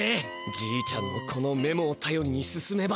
じいちゃんのこのメモをたよりに進めば。